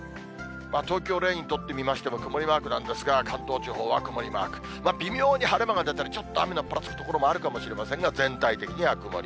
東京を例に取ってみましても、曇りマークなんですが、関東地方は曇りマーク、微妙に晴れ間が出たり、ちょっと雨のぱらつく所もあるかもしれませんが、全体的には曇り。